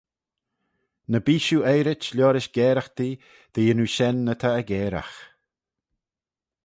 Ny bee shiu eiyrit liorish garaghtee dy yannoo shen ny ta aggairagh.